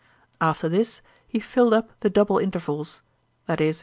After this he filled up the double intervals (i.e.